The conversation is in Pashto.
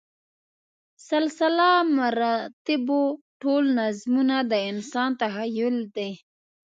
سلسله مراتبو ټول نظمونه د انسان تخیل دی.